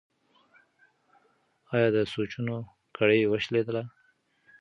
ایا د سوچونو کړۍ وشلیدله؟